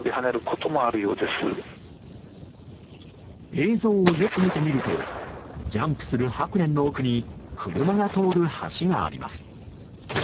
映像をよく見てみるとジャンプするハクレンの奥に車が通る橋があります。